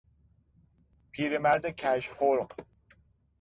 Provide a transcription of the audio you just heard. پیرمرد کژخلق